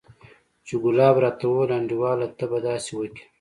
چې ګلاب راته وويل انډيواله ته به داسې وکې.